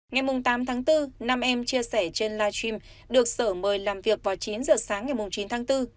ngày tám tháng bốn năm em chia sẻ trên live stream được sở mời làm việc vào chín giờ sáng ngày chín tháng bốn